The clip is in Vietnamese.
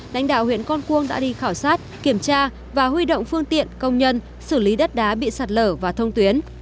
lãnh đạo huyện con cuông đã đi khảo sát kiểm tra và huy động phương tiện công nhân xử lý đất đá bị sạt lở và thông tuyến